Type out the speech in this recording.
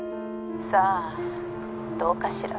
さあどうかしら。